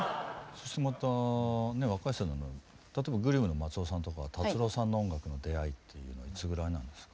そしてまたね若い人でも例えばＧＬＩＭの松尾さんとかは達郎さんの音楽の出会いっていうのはいつぐらいなんです？